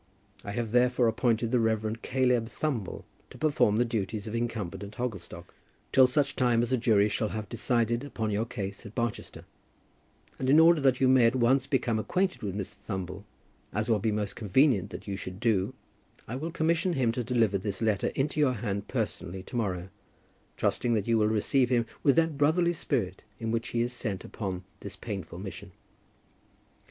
I have, therefore, appointed the Rev. Caleb Thumble to perform the duties of incumbent of Hogglestock till such time as a jury shall have decided upon your case at Barchester; and in order that you may at once become acquainted with Mr. Thumble, as will be most convenient that you should do, I will commission him to deliver this letter into your hand personally to morrow, trusting that you will receive him with that brotherly spirit in which he is sent upon this painful mission.